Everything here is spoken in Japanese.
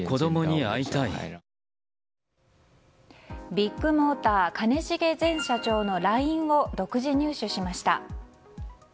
ビッグモーター兼重前社長のＬＩＮＥを独自入手しました。